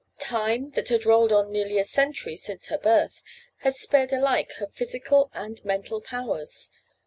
Time, that had rolled on nearly a century since her birth, had spared alike her physical and mental powers.